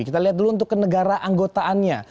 kita lihat dulu untuk kenegara anggotaannya